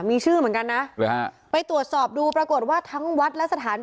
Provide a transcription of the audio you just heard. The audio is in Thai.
มีชื่อเหมือนกันนะหรือฮะไปตรวจสอบดูปรากฏว่าทั้งวัดและสถาน